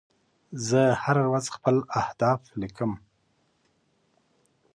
زه هره ورځ خپل اهداف ولیکم.